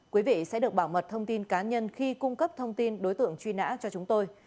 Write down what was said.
quý vị sẽ được bảo mật thông tin cá nhân khi cung cấp thông tin đối tượng truy nã cho chúng tôi